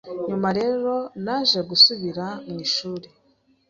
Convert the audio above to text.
nyuma rero naje gusubira mu ishuri